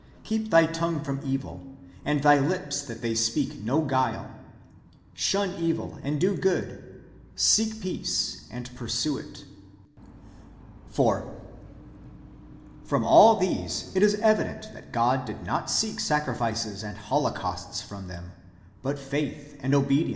Keep thy tongue from evil, and thy lips that they speak no guile. Shun evil, and do good : seek peace, and pursue it." ^ 4. From all these it is evident that God did not seek sacrifices and holocausts from them, but faith, and obedience, 1 Isa.